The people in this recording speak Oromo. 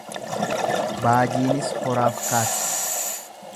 Baajiinis horaaf kaatti?